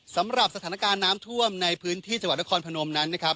สำหรับสถานการณ์น้ำท่วมในพื้นที่จังหวัดนครพนมนั้นนะครับ